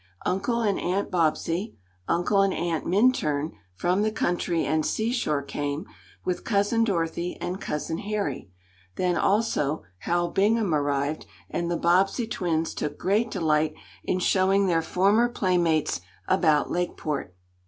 Uncle and Aunt Bobbsey Uncle and Aunt Minturn, from the country and seashore, came, with Cousin Dorothy and Cousin Harry then, also, Hal Bingham arrived, and the Bobbsey twins took great delight in showing their former playmates about Lakeport.